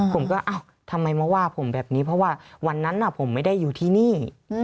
ผมก็เอ้าทำไมมาว่าผมแบบนี้เพราะว่าวันนั้นผมไม่ได้อยู่ที่นี่